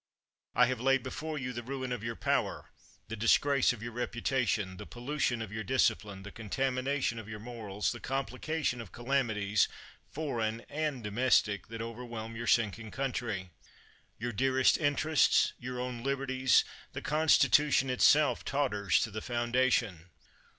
I have laid before you the ruin of your power, the disgrace of your reputation, the pollution of your discipline, the contamination of your mor als, the complication of calamities, foreign and domestic, that overwhelm your sinking country. Your dearest interests, your own liberties, the Constitution itself, totters to the foundation.